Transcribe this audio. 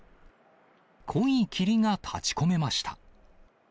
濃い霧が立ちこめました。